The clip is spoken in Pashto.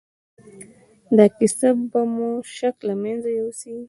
دا کيسه به مو شک له منځه يوسي.